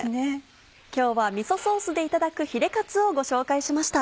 今日はみそソースでいただくヒレカツをご紹介しました。